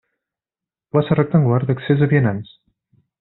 Plaça rectangular d'accés de vianants.